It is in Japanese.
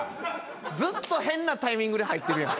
ずっと変なタイミングで入ってるやん。